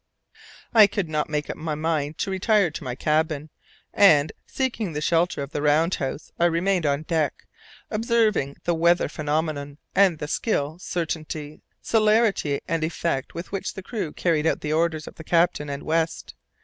I could not make up my mind to retire to my cabin, and, seeking the shelter of the roundhouse, I remained on deck, observing the weather phenomena, and the skill, certainty, celerity, and effect with which the crew carried out the orders of the captain and West.